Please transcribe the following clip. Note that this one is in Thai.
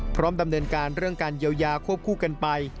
พร้อมดำเนินการเรื่องการเยียวยาควบคู่กันไป